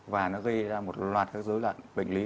và nó gây ra một loạt các dối loạn bệnh lý